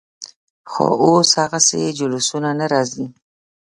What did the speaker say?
خو اوس هغسې جلوسونه نه راځي.